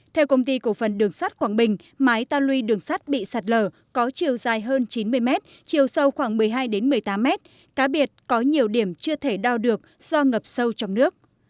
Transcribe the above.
theo công ty cổ phần đường sắt quảng bình mái ta luy đường sắt bị sạt lở có chiều dài hơn chín mươi mét chiều sâu khoảng một mươi hai một mươi tám mét cá biệt có nhiều điểm chưa thể đo được do ngập sâu trong nước